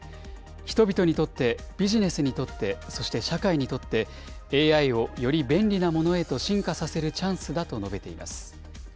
人々にとって、ビジネスにとって、そして社会にとって、ＡＩをより便利なものへと進化させるチャンスだと述べています。